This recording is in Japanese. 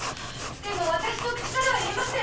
でもあたしの口からは言えません。